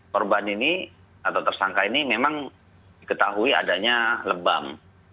korban ini atau tersangka ini memang diketahui adanya lebam